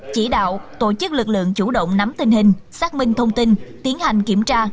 chỉ đạo tổ chức lực lượng chủ động nắm tình hình xác minh thông tin tiến hành kiểm tra